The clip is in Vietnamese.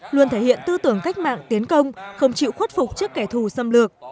luôn thể hiện tư tưởng cách mạng tiến công không chịu khuất phục trước kẻ thù xâm lược